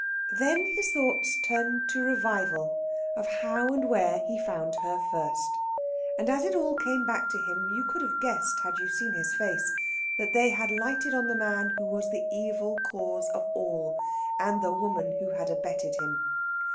Then his thoughts turned to revival of how and where he found her first, and, as it all came back to him, you could have guessed, had you seen his face, that they had lighted on the man who was the evil cause of all, and the woman who had abetted him.